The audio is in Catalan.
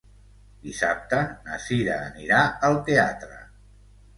Dissabte na Cira anirà al teatre.